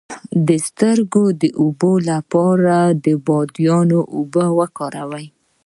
د سترګو د اوبو لپاره د بادیان اوبه وکاروئ